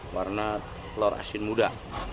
warna telur asin muda